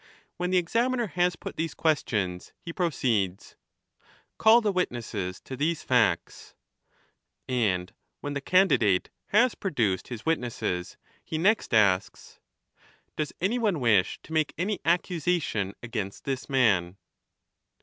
When the examiner has put these questions, he proceeds, " Call the witnesses to these facts "; and when the candidate has produced his wit nesses, he next asks, " Does anyone w sh to make any accusation against this man